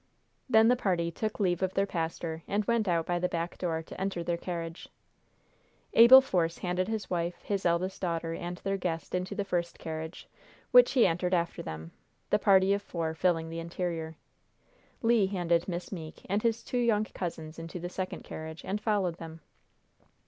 Then the party took leave of their pastor, and went out by the back door to enter their carriage. Abel Force handed his wife, his eldest daughter and their guest into the first carriage, which he entered after them, the party of four filling the interior. Le handed Miss Meeke and his two young cousins into the second carriage, and followed them.